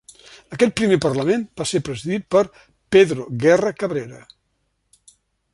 Aquest primer parlament va ser presidit per Pedro Guerra Cabrera.